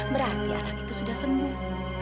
berarti anak itu sudah sembuh